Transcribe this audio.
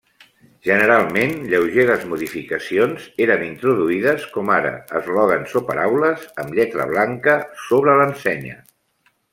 Generalment, lleugeres modificacions eres introduïdes com ara eslògans o paraules amb lletra blanca sobre l'ensenya.